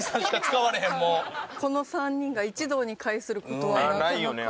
この３人が一堂に会する事はなかなか。